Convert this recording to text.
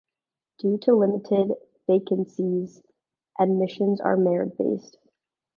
Due to limited vacancies admissions are merit-based.